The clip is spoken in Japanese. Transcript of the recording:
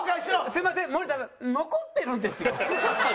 すみません森田さん残ってるんですよ。